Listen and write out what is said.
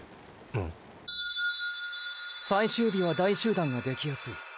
最終日は大集団ができやすい。